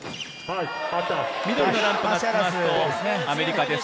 緑のランプがつきますと、アメリカです。